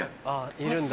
いるんだ。